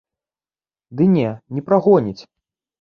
Ды не, не прагоніць.